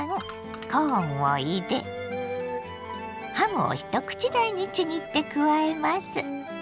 コーンを入れハムを一口大にちぎって加えます。